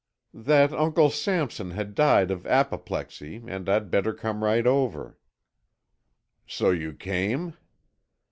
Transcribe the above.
"That Uncle Sampson had died of apoplexy and I'd better come right over." "So you came?"